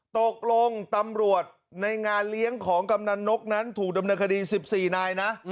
ตกลงตำรวจในงานเลี้ยงของกำนันนกนั้นถูกดำเนินคดี๑๔นายนะ